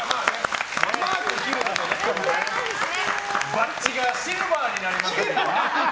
バッジがシルバーになります。